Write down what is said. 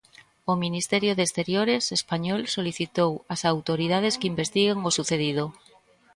O Ministerio de Exteriores Español solicitou ás autoridades que investiguen o sucedido.